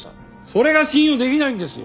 それが信用できないんですよ！